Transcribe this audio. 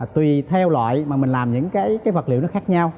tùy theo loại mà mình làm những cái vật liệu nó khác nhau